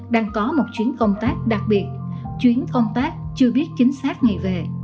đang có một chuyến công tác đặc biệt chuyến công tác chưa biết chính xác ngày về